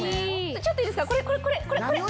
ちょっといいですか？